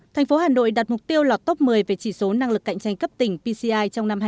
thành phố hà nội đặt mục tiêu lọt top một mươi về chỉ số năng lực cạnh tranh cấp tỉnh pci trong năm hai nghìn hai mươi